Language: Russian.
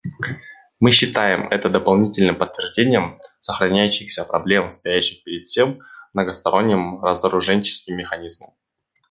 Мы считаем это дополнительным подтверждением сохраняющихся проблем, стоящих перед всем многосторонним разоруженческим механизмом.